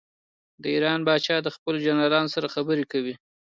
د ایران پاچا د خپلو جنرالانو سره خبرې کوي.